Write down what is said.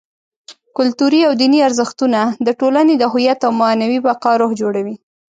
کلتوري او دیني ارزښتونه: د ټولنې د هویت او معنوي بقا روح جوړوي.